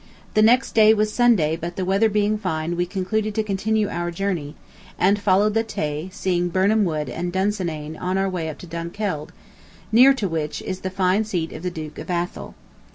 ... The next day was Sunday but the weather being fine we concluded to continue our journey, and followed the Tay seeing Birnam Wood and Dunsinane on our way up to Dunkeld, near to which is the fine seat of the Duke of Athol.